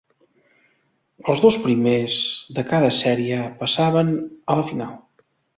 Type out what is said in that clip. Els dos primers de cada sèrie passaven a la final.